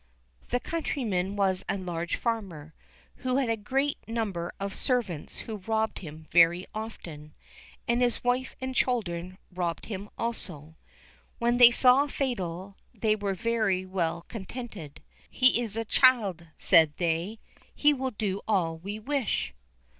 This countryman was a large farmer, who had a great number of servants who robbed him very often, and his wife and children robbed him also. When they saw Fatal, they were very well contented. "He is a child," said they; "he will do all we wish."